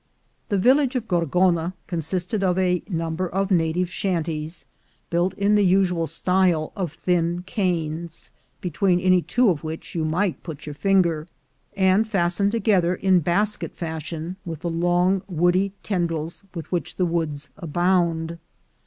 The village of Gorgona consisted of a number of native shanties, built, in the usual style, of thin canes, between any two of which you might put your finger, and fastened together, in basket fashion, with the long woody tendrils with which the woods abound.